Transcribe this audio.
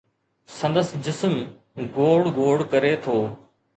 سندس جسم، گوڙ گوڙ ڪري ٿو